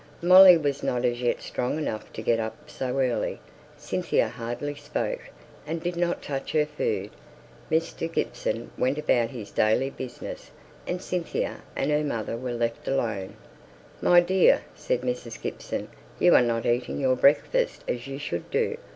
Molly was not as yet strong enough to get up so early. Cynthia hardly spoke, and did not touch her food. Mr. Gibson went about his daily business, and Cynthia and her mother were left alone. "My dear," said Mrs. Gibson, "you are not eating your breakfast as you should do.